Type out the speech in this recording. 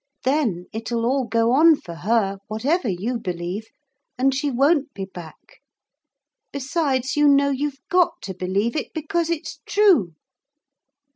Then it'll all go on for her, whatever you believe, and she won't be back. Besides, you know you've got to believe it, because it's true.'